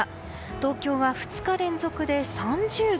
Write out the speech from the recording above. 東京は２日連続で３０度。